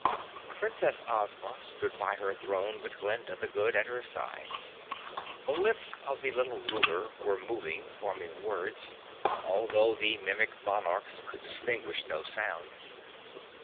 Princess Ozma stood by her throne with Glinda the Good at her side. The lips of the little ruler were moving, forming words, although the Mimic Monarchs could distinguish no sound.